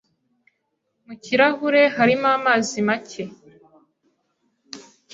Mu kirahure harimo amazi make.